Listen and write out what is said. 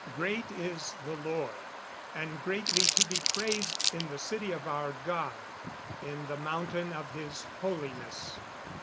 [Verse: "Great is the Lord, and greatly to be praised in the city of our God, in the mountain of his holiness."